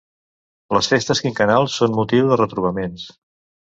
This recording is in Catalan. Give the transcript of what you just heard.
Les Festes Quinquennals són motiu de retrobaments.